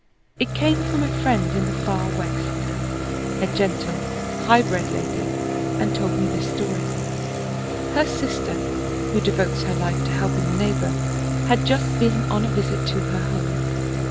It came from a friend in the far West, a gentle, high bred lady, and told me this story: Her sister, who devotes her life to helping the neighbor, had just been on a visit to her home.